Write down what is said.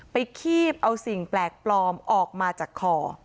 คีบเอาสิ่งแปลกปลอมออกมาจากคอ